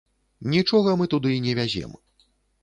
Нічога мы туды не вязем.